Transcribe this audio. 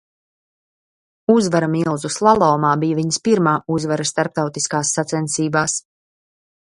Uzvara milzu slalomā bija viņas pirmā uzvara starptautiskās sacensībās.